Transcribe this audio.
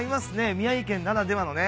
宮城県ならではのね。